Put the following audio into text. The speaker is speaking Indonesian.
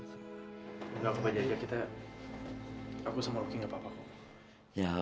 mbak jajah kita